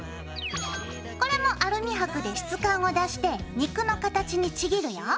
これもアルミはくで質感を出して肉の形にちぎるよ。